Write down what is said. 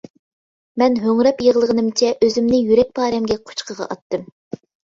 مەن ھۆڭرەپ يىغلىغىنىمچە ئۆزۈمنى يۈرەك پارەمگە قۇچىقىغا ئاتتىم.